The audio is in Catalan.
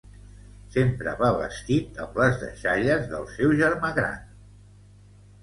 Sempre va vestit amb les deixalles del seu germà gran.